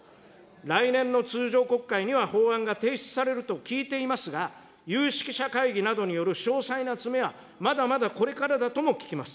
来年の通常国会には、法案が提出されると聞いていますが、有識者会議などによる詳細な詰めは、まだまだこれからだとも聞きます。